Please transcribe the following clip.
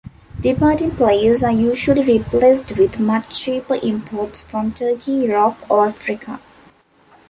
Departing players are usually replaced with much cheaper imports from Turkey, Europe or Africa.